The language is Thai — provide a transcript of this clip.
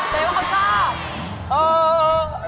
ใจว่าเขาชอบ